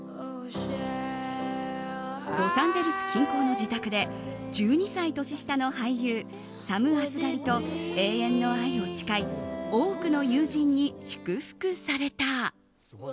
ロサンゼルス近郊の自宅で１２歳年下の俳優サム・アスガリと永遠の愛を誓い多くの友人に祝福された。